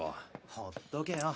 ほっとけよ。